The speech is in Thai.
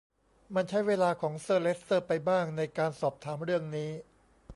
มันใช้เวลาของเซอร์ เลสเตอร์ไปบ้างในการสอบถามเรื่องนี้